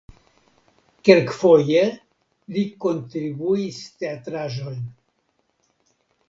Kelkfoje li kontribuis teatraĵojn.